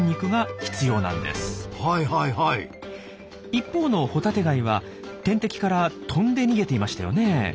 一方のホタテガイは天敵から跳んで逃げていましたよね？